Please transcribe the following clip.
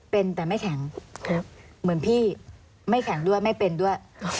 เป็นแต่ไม่แข็งเหมือนพี่ไม่แข็งด้วยไม่เป็นด้วย